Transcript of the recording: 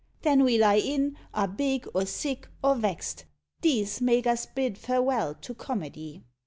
Then we lie in, are big, or sick, or vexed: These make us bid farewell to comedy!